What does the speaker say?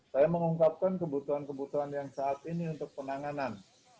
saya mengungkapkan kebutuhan kebutuhan yang saat ini untuk penanganan